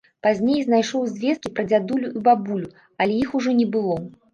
Пазней знайшоў звесткі пра дзядулю і бабулю, але іх ужо не было.